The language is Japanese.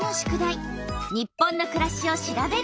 「日本のくらし」を調べること。